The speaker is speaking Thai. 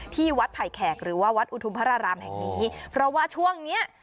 ที่วัดไผ่แขกหรือว่าวัดอุทุมพระรารามแห่งนี้เพราะว่าช่วงเนี้ย